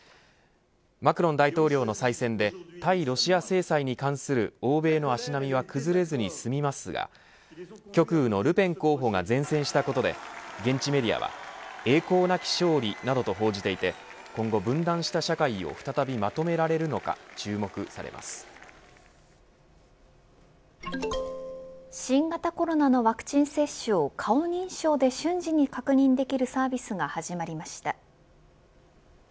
マクロン大統領の再選で対ロシア制裁に関する欧米の足並みは崩れずに済みますが極右のルペン候補が善戦したことで現地メディアは栄光なき勝利などと報じていて今後分断した社会を再びまとめられるのか新型コロナのワクチン接種を顔認証で瞬時に確認できるサービスが始まりました。